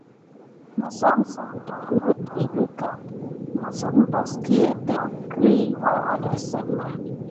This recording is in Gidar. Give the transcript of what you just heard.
Məssamsəm dernədernə kam misine basika darkiwa adasan ba.